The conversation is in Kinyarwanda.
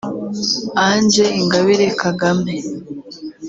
Ange Ingabire Kagame